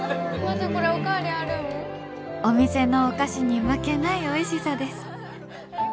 「お店のお菓子に負けないおいしさです」。